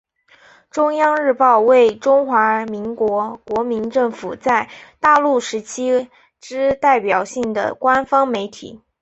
中央日报为中华民国国民政府在大陆时期之代表性的官方媒体。